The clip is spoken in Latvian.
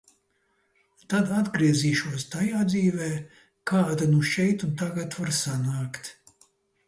Tad atgriezīšos tajā dzīvē, kāda nu šeit un tagad var sanākt.